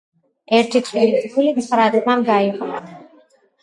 ერთი თხილის გული ცხრა ძმამ გაიყო.